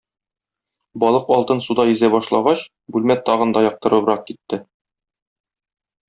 Балык алтын суда йөзә башлагач, бүлмә тагын да яктырыбрак китте.